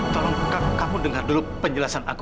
tolong kamu dengar dulu penjelasan aku